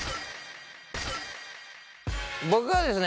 僕はですね